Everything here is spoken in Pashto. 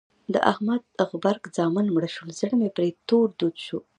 د احمد غبرګ زامن مړه شول؛ زړه مې پر تور دود شو.